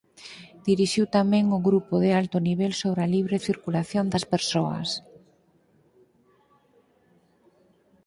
Dirixiu tamén o grupo de alto nivel sobre a libre circulación das persoas.